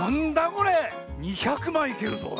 これ⁉２００まいいけるぞこれ。